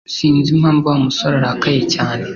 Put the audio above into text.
Sinzi impamvu Wa musore arakaye cyane